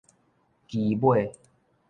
期尾